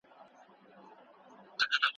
چې زه به څرنگه و غېږ ته د جانان ورځمه